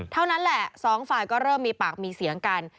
เท่านั้นแหละสองฝ่ายก็เริ่มมีปากมีเสียงกัน